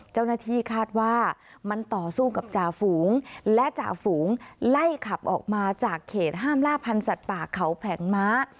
เจ้าหน้าที่คาดว่ามันต่อสู้กับจ่าฝูงและจ่าฝูงไล่ขับออกมาจากเขตห้ามล่าพันธุ์สัตว์ป่าเขาแผงม้า